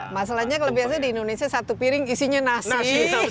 masalahnya kalau biasa di indonesia satu piring isinya nasi